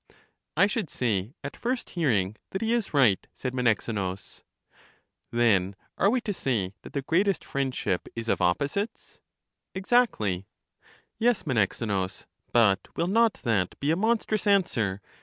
I should say, at first hearing, that he is right, said Menexenus. Then are we to say that the greatest friendship is of opposites? Exactly. Yes, Menexenus ; but will not that be a monstrous answer?